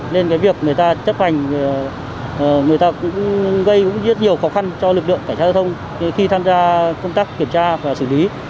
nên việc người ta chấp hành người ta cũng gây nhiều khó khăn cho lực lượng cải trang giao thông khi tham gia công tác kiểm tra và xử lý